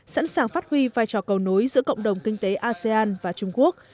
sẵn sàng phát huy vai trò cầu nối giữa cộng đồng kinh tế asean và trung quốc